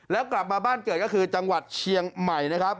แล้วกลับมาบ้านเกิดก็คือจังหวัดเชียงใหม่นะครับ